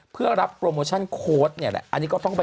เพื่อรับโปรโมชั่นโค้ดนี่นะ